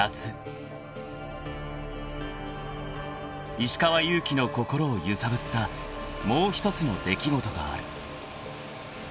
［石川祐希の心を揺さぶったもう一つの出来事がある］